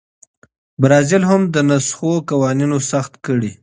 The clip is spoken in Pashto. برازیل هم د نسخو قوانین سخت کړي.